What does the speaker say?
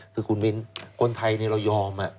คือคุณมิ้นคนไทยเรายอม